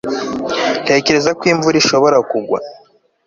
ntekereza ko imvura ishobora kugwa